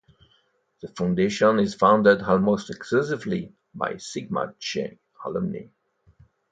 The foundation is funded almost exclusively by Sigma Chi's alumni.